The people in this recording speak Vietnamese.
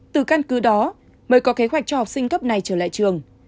từ căn cứ đó mới có kế hoạch cho học sinh cấp này trở lại trường